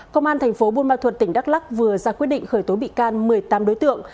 công an tp bunma thuật tỉnh đắk lắc vừa ra quyết định khởi tối bị can một mươi tám đối tượng